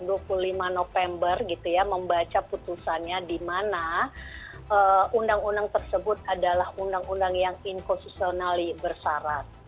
di mana november membaca putusannya di mana undang undang tersebut adalah undang undang yang inkososionali bersarat